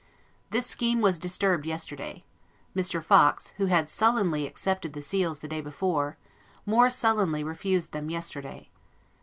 This scheme was disturbed yesterday: Mr. Fox, who had sullenly accepted the seals the day before, more sullenly refused them yesterday.